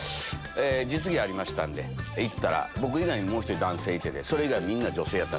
実技ありましたんで行ったら僕以外にもう１人男性いてそれ以外みんな女性やった。